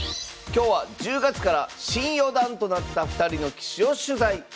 今日は１０月から新四段となった２人の棋士を取材。